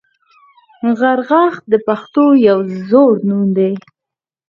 غرغښت د پښتنو یو زوړ نوم دی